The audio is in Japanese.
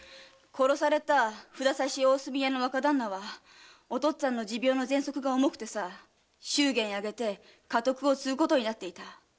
殺された札差・大隅屋の若旦那は父親の持病の喘息が重くてさ祝言あげて家督を継ぐことになっていた。